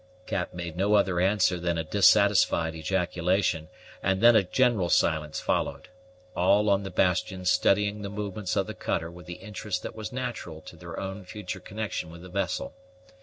Cap made no other answer than a dissatisfied ejaculation, and then a general silence followed, all on the bastion studying the movements of the cutter with the interest that was natural to their own future connection with the vessel.